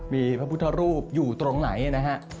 มีพระพุทธรูปอยู่ตรงไหนนะฮะ